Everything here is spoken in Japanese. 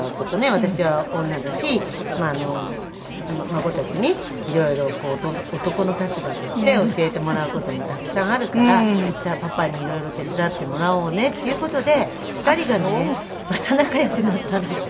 私は女だし孫たちに色々男の立場として教えてもらう事もたくさんあるからじゃあパパに色々手伝ってもらおうねっていう事で２人がねまた仲良くなったんです。